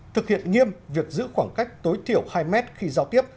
thực hiện nghiêm việc giữ khoảng cách tối thiểu hai mét khi giao tiếp